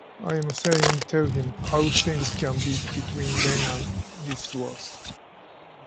I am saying-tell him how things can be between men on this earth.